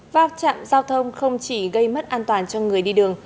vác chạm giao thông không chỉ gây mất an toàn cho người đi đường